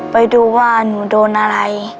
ไปดูว่าหนูโดนอะไร